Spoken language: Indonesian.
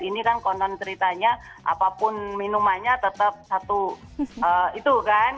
ini kan konon ceritanya apapun minumannya tetap satu itu kan